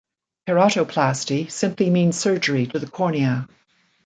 Keratoplasty simply means surgery to the cornea.